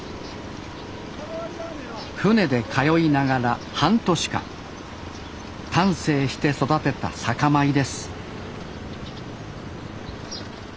船で通いながら半年間丹精して育てた酒米です